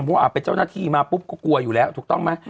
เพราะว่าเป็นเจ้าหน้าที่มาปุ๊บก็กลัวอยู่แล้วถูกต้องไหม